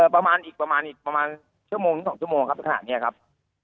ประมาณอีกประมาณอีกประมาณชั่วโมงถึง๒ชั่วโมงครับขนาดนี้ครับ